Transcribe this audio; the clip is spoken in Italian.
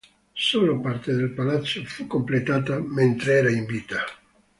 Solo parte del palazzo fu completata mentre era in vita.